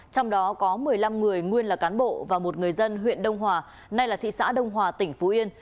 trong đó có một mươi năm người nguyên là cán bộ và một người dân huyện đông hòa nay là thị xã đông hòa tỉnh phú yên